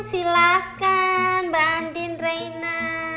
silahkan mbak andi reina